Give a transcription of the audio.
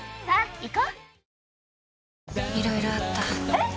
えっ！！